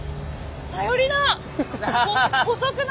頼りなっ！